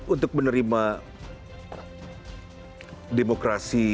untuk menerima demokrasi